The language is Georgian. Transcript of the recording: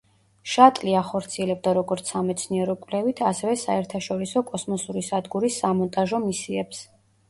შატლი ახორციელებდა როგორც სამეცნიერო-კვლევით, ასევე საერთაშორისო კოსმოსური სადგურის სამონტაჟო მისიებს.